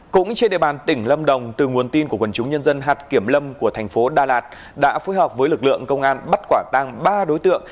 cũng trên địa bàn tỉnh lâm đồng từ nguồn tin của quần chúng nhân dân hạt kiểm lâm của thành phố đà lạt đã phối hợp với lực lượng công an bắt quả tăng ba đối tượng